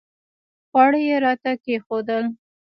خواړه یې راته کښېښودل.